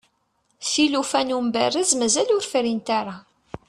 tilufa n umberrez mazal ur frint ara